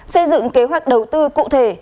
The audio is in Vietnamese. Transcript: xây dựng kế hoạch đầu tư cụ thể